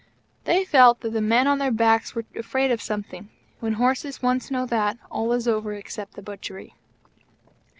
They felt that the men on their backs were afraid of something. When horses once know THAT, all is over except the butchery.